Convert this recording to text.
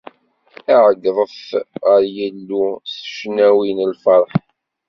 Ɛeyyḍet ɣer Yillu s ccnawi n lferḥ!